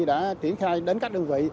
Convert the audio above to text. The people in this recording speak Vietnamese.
đã triển khai đến các đơn vị